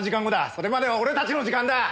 それまでは俺たちの時間だ。